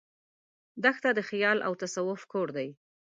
دښته د خیال او تصوف کور دی.